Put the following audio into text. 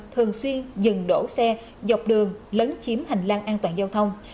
thường xuyên dừng đổ xe dọc đường lấn chiếm hành lang an toàn giao thông